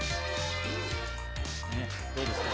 どうですかね？